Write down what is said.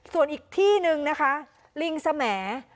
ส่วนอีกที่นึงนะคะลิงสแหมด